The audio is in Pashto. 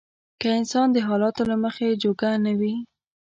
که انسان د حالاتو له مخې جوګه نه وي.